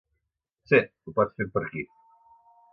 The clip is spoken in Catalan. Si, ho pot fer per aquí.